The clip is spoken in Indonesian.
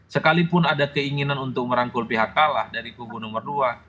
sekalipun ada keinginan untuk merangkul pihak kalah dari kubu nomor dua